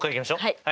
はい。